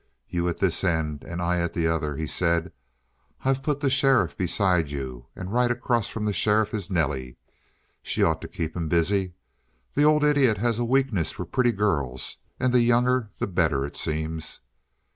"You at this end and I at the other," he said. "I've put the sheriff beside you, and right across from the sheriff is Nelly. She ought to keep him busy. The old idiot has a weakness for pretty girls, and the younger the better, it seems.